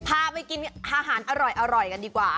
พาไปกินอาหารอร่อยกันดีกว่า